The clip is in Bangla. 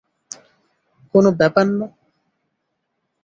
কোন ব্যাপার না।